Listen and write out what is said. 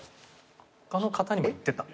他の方にもいってた？